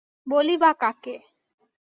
বলি বা কাকে!